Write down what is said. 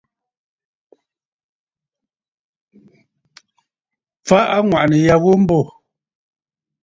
Fa aŋwàʼànə̀ ya ghu mbô.